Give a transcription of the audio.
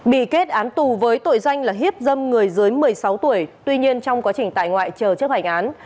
bị kết án tù với tội danh là hiếp dâm người dưới một mươi sáu tuổi tuy nhiên trong quá trình tại ngoại chờ chấp hành án